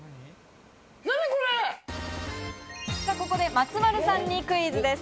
松丸さんにクイズです。